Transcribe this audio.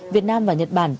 việt nam và nhật bản